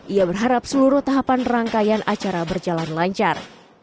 ia berharap seluruh tahapan rangkaian acara berjalan lancar